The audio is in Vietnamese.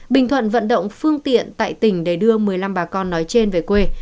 bình thuận vận động phương tiện tại tỉnh để đưa một mươi năm bà con nói trên về quê